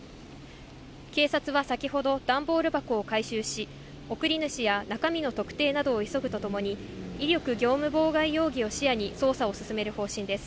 警察は先ほど、段ボール箱を回収し、送り主や中身の特定などを急ぐとともに、威力業務妨害容疑を視野に、捜査を進める方針です。